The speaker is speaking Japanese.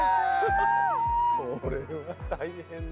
これは大変だ。